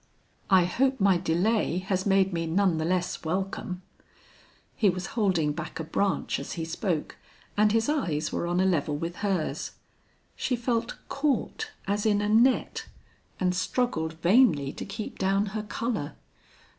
I hope my delay has made me none the less welcome." He was holding back a branch as he spoke, and his eyes were on a level with hers. She felt caught as in a net, and struggled vainly to keep down her color.